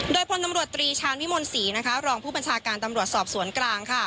โดยพลตำรวจตรีชาญวิมลศรีรองผู้บัญชาการตำรวจสอบสวนกลาง